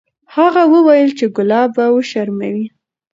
هغې وویل چې ګلاب به وشرموي.